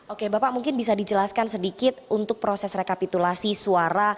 oke bapak mungkin bisa dijelaskan sedikit untuk proses rekapitulasi suara